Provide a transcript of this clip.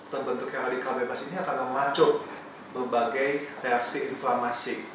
terbentuknya radikal bebas ini akan memacu berbagai reaksi inflamasi